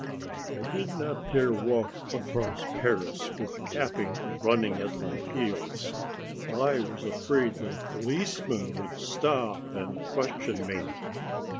I did not dare walk across Paris with Capi running at my heels. I was afraid that a policeman would stop and question me.